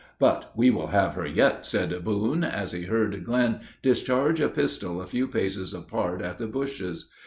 "But we will have her yet," said Boone, as he heard Glenn discharge a pistol a few paces apart in the bushes.